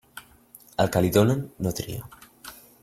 Al que li donen, no tria.